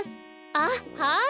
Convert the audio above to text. あっはい。